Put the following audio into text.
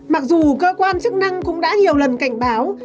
mặc dù cơ quan chức năng cũng đã nhiều lần cảnh báo